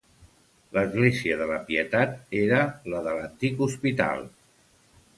L'església de la Pietat era la de l'antic Hospital.